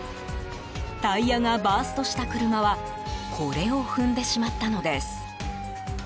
タイヤがバーストした車はこれを踏んでしまったのです。